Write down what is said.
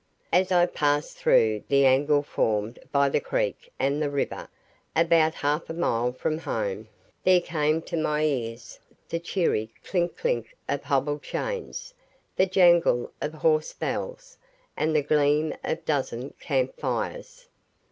As I passed through the angle formed by the creek and the river, about half a mile from home, there came to my ears the cheery clink clink of hobble chains, the jangle of horse bells, and the gleam of a dozen camp fires.